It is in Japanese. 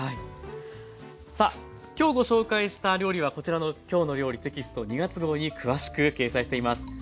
さあ今日ご紹介した料理はこちらの「きょうの料理」テキスト２月号に詳しく掲載しています。